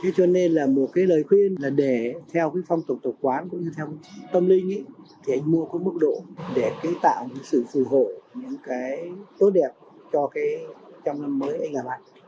thế cho nên là một cái lời khuyên là để theo cái phong tục tục quán cũng như theo tâm linh thì anh mua có mức độ để tạo sự phù hộ những cái tốt đẹp cho cái trong năm mới anh gặp ạ